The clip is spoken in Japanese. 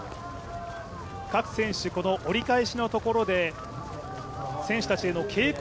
各選手、折り返しのところで選手たちへの警告